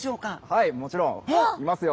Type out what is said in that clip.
はいもちろんいますよ。